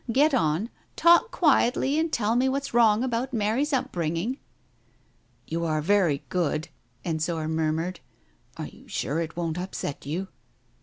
Get on. Talk quietly and tell me what's wrong about Mary's upbringing." "You are very good," Ensor murmured, "are you sure it won't upset you?"